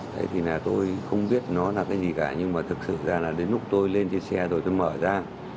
thế thì là tôi không biết nó là cái gì cả nhưng mà thực sự ra là đến lúc tôi lên trên xe rồi tôi mở ra